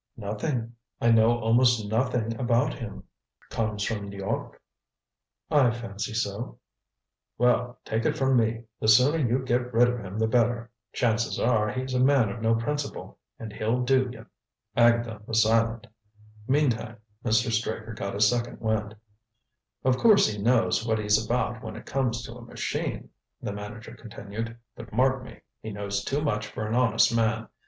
"Nothing I know almost nothing about him." "Comes from N'York?" "I fancy so." "Well, take it from me, the sooner you get rid of him the better. Chances are he's a man of no principle, and he'll do you." Agatha was silent. Meantime Mr. Straker got his second wind. "Of course he knows what he's about when it comes to a machine," the manager continued, "but mark me, he knows too much for an honest man.